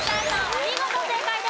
お見事正解です。